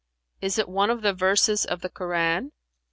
Is it one of the verses of the Koran?"